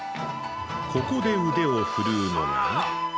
ここで腕を振るうのが。